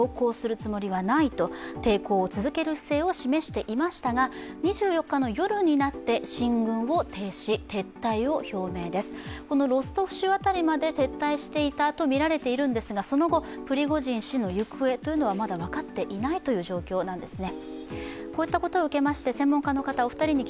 というのが、映像でもご覧いただきましたがこのロストフ州辺りまで撤退していたとみられるんですがその後、プリゴジン氏の行方はまだ分かっていない状況なんですね。